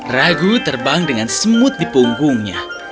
ragu terbang dengan semut di punggungnya